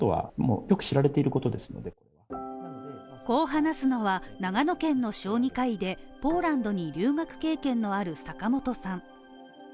こう話すのは、長野県の小児科医でポーランドに留学経験のある坂本さん。